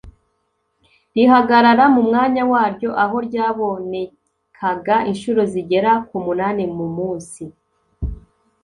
rihagarara mu mwanya waryo aho ryabonekaga incuro zigera ku munani mu munsi